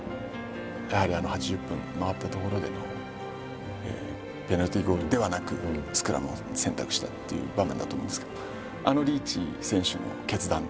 やはりあの８０分回ったところでのペナルティーゴールではなくスクラムを選択したっていう場面だと思うんですけどあのリーチ選手の決断というのは。